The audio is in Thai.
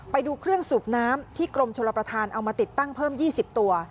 ไปดูเครื่องสูบน้ำที่กรมชลประธานเอามาติดตั้งเพิ่ม๒๐ตัว